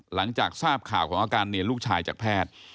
หลังจากทราบข่าวของอาการเนียนลูกชายจากแพทย์